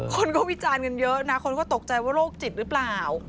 คนก็วิจารณ์กันเยอะนะคนก็ตกใจว่าโรคจิตหรือเปล่า